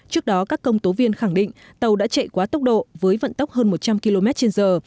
trước đó các công tố viên khẳng định tàu đã chạy quá tốc độ với vận tốc hơn một trăm linh km trên giờ